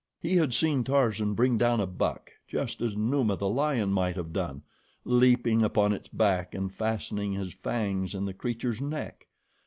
He had seen Tarzan bring down a buck, just as Numa, the lion, might have done, leaping upon its back and fastening his fangs in the creature's neck.